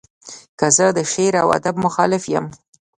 که زه د شعر و ادب مخالف یم.